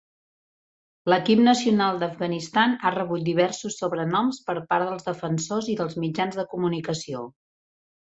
L'equip nacional d'Afganistan ha rebut diversos sobrenoms per part dels defensors i dels mitjans de comunicació.